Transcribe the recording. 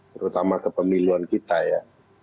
terutama kepemiluan kita ya